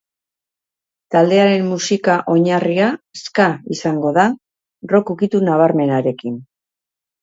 Taldearen musika oinarria ska izango da, rock ukitu nabarmenarekin.